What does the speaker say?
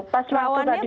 rawannya bagaimana ibu